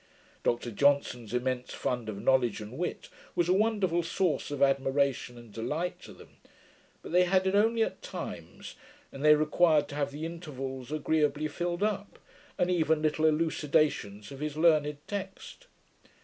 Dr Johnson's immense fund of knowledge and wit was a wonderful source of admiration and delight to them; but they had it only at times; and they required to have the intervals agreeably filled up, and even little elucidations of his learned text.